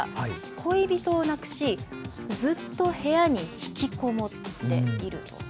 恋人を亡くし、ずっと部屋に引きこもっていると。